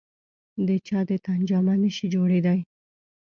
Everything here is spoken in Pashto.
د چا د تن جامه نه شي جوړېدای.